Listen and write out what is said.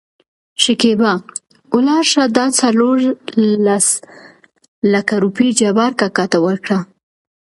شکېبا : ولاړ شه دا څورلس لکه روپۍ جبار کاکا ته ورکړه.